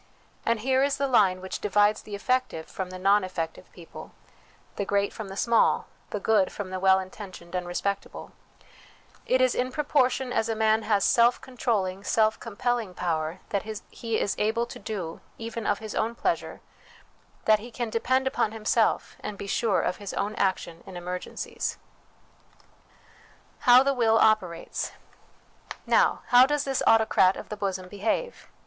And here is the line which divides the effective from the non effective people, the great from the small, the good from the well inten tioned and respectable ; it is in proportion as a man has self controlling, self compelling power that he is able to do, even of his own pleasure ; that he can depend upon himself, and be sure of his own action in emergencies. How the Will operates. Now, how does this autocrat of the bosom behave?